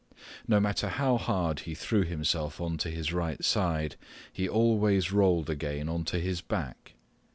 No matter how hard he threw himself onto his right side, he always rolled again onto his back.